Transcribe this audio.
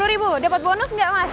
sepuluh ribu dapat bonus nggak mas